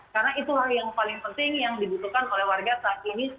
karena itulah yang paling penting yang dibutuhkan oleh warga saat ini